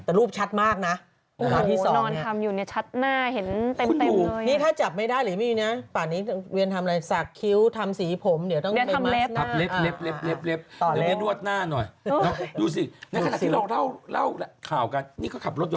แต่รูปชัดมากนะภาพที่๒น่ะโหนอนทำอยู่ชัดหน้าเห็นเต็มเลย